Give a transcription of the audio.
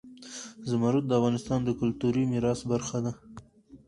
زمرد د افغانستان د کلتوري میراث برخه ده.